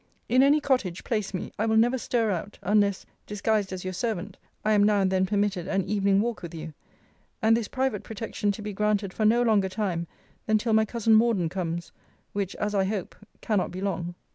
In any cottage place me, I will never stir out, unless, disguised as your servant, I am now and then permitted an evening walk with you: and this private protection to be granted for no longer time than till my cousin Morden comes; which, as I hope, cannot be long.